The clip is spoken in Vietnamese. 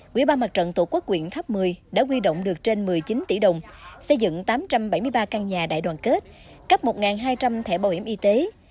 quỹ ban mặt trận tổ quốc quyện tháp một mươi đã quy động được trên một mươi chín tỷ đồng xây dựng tám trăm bảy mươi ba căn nhà đại đoàn kết cấp một hai trăm linh thẻ bảo hiểm y tế